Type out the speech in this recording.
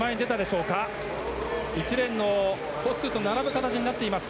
１レーンのホッスーと並ぶ形になっています。